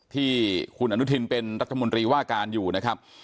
ที่คุณอนุทินเป็นรัฐมนตรีว่าการอยู่นะครับ